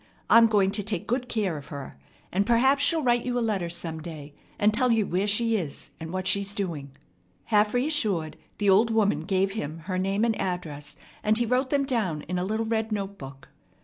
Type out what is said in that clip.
I'm going to take good care of her, and perhaps she'll write you a letter some day, and tell you where she is and what she's doing." Half reassured, the old woman gave him her name and address; and he wrote them down in a little red notebook.